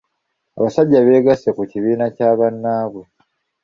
Abasajja beegasse ku kibiina kya bannaabwe.